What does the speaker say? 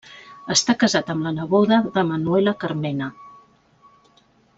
Està casat amb la neboda de Manuela Carmena.